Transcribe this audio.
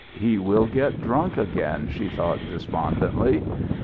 "He will get drunk again," she thought despondently.